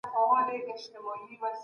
کمپيوټر بازۍ منظموي.